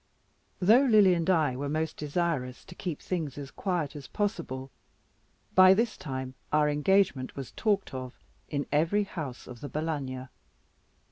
Though Lily and I were most desirous to keep things as quiet as possible, by this time our engagement was talked of in every house of the Balagna.